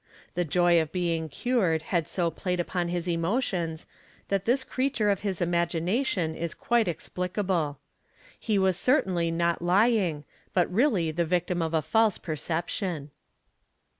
: M4 he joy of being cured had so played upon his emotions that this creature of his imagination is quite explicable. He was certainly not lying but really the victim of a false perception.